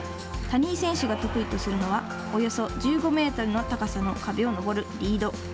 谷井選手が得意とするのはおよそ１５メートルの高さの壁を登るリード。